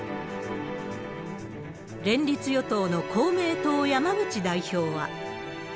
連立与党の公明党、山口代表は。